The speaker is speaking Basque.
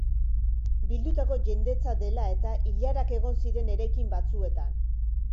Bildutako jendetza dela-eta ilarak egon ziren eraikin batzuetan.